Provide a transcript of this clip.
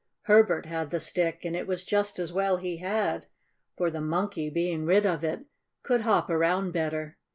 Herbert had the stick, and it was just as well he had, for the Monkey, being rid of it, could hop around better.